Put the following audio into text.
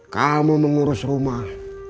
kamu mengurus rumah